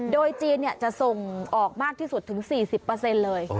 โดยจีนจะส่งออกมากที่สุดถึง๔๐เลย